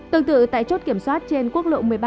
tương tự tại chốt kiểm soát trên quốc lộ một mươi ba